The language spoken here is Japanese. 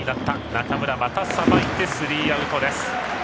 中村がまたさばいてスリーアウト。